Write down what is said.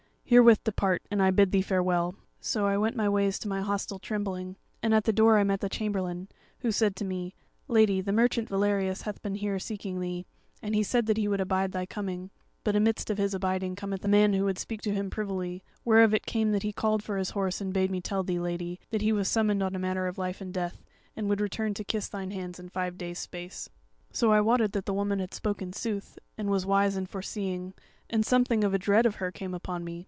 Herewith depart, and I bid thee farewell.' "So I went my ways to my hostel trembling, and at the door I met the chamberlain, who said to me, 'Lady, the merchant Valerius hath been here seeking thee, and he said that he would abide thy coming; but amidst of his abiding cometh a man who would speak to him privily; whereof it came that he called for his horse and bade me tell thee, Lady, that he was summoned on a matter of life and death, and would return to kiss thine hands in five days' space.' "So I wotted that the woman had spoken sooth, and was wise and foreseeing, and something of a dread of her came upon me.